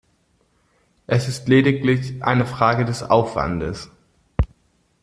Es ist lediglich eine Frage des Aufwandes.